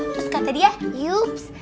terus kata dia yups